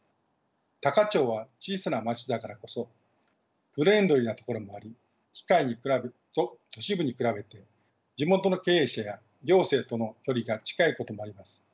多可町は小さな町だからこそフレンドリーなところもあり都市部に比べて地元の経営者や行政との距離が近いこともあります。